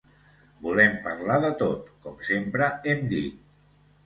Volem parlar de tot, com sempre hem dit.